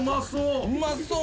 うまそう。